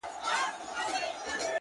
دغه نجلۍ نن له هيندارې څخه زړه راباسي!!